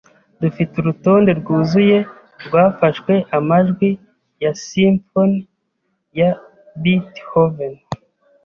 Dufite urutonde rwuzuye rwafashwe amajwi ya simfoni ya Beethoven.